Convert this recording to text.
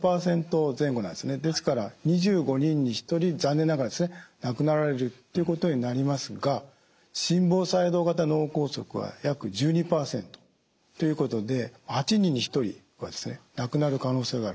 ですから２５人に１人残念ながら亡くなられるということになりますが心房細動型脳梗塞は約１２％ということで８人に１人は亡くなる可能性があるということです。